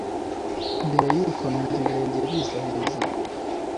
mbere yuko numva ibirenge biza hejuru